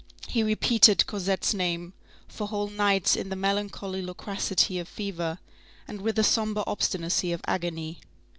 He repeated Cosette's name for whole nights in the melancholy loquacity of fever, and with the sombre obstinacy of agony.